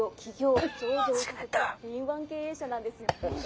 敏腕経営者なんですよね。